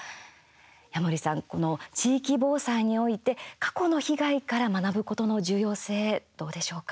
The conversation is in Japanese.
矢守さん、この地域防災において過去の被害から学ぶことの重要性どうでしょうか。